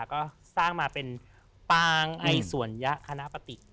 ก็สร้างมาเป็นปางไอสวนยะธนปฏิ